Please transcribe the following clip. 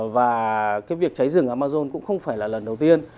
và cái việc cháy rừng amazon cũng không phải là lần đầu tiên